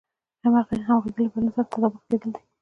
همغږي له بدلون سره تطابق کېدل دي.